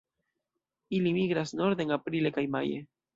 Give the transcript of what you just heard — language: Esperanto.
Ili migras norden aprile kaj maje.